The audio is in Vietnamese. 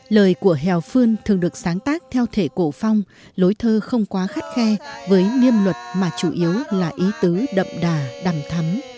lời của hèo phương thường được sáng tác theo thể cổ phong lối thơ không quá khắt khe với niêm luật mà chủ yếu là ý tứ đậm đà đầm thắm